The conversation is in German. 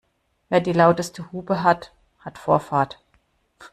Wer die lauteste Hupe hat, hat Vorfahrt.